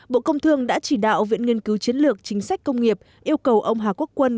bộ công thương đã chỉ đạo viện nghiên cứu chiến lược chính sách công nghiệp yêu cầu ông hà quốc quân